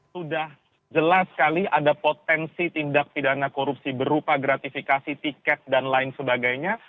sudah jelas sekali ada potensi tindak pidana korupsi berupa gratifikasi tiket dan lain sebagainya